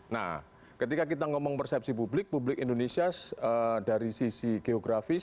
nah ketika kita ngomong persepsi publik publik indonesia dari sisi geografis